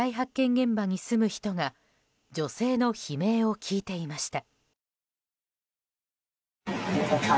現場に住む人が女性の悲鳴を聞いていました。